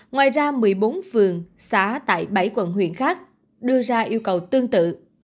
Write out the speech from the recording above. ngoài ra một mươi bốn phường xã tại bảy quận huyện khác đưa ra yêu cầu tương tự